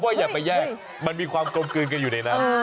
อย่าไปแยกมันมีความกลมกลืนกันอยู่ในนั้น